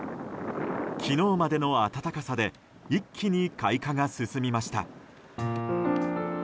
昨日までの暖かさで一気に開花が進みました。